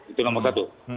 itu nomor satu